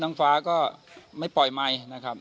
๒๙ลุงพลแม่ตะเคียนเข้าสิงหรือเปล่า